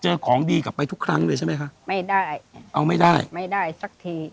ของดีกลับไปทุกครั้งเลยใช่ไหมคะไม่ได้เอาไม่ได้ไม่ได้สักที